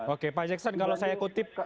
oke pak jackson kalau saya kutip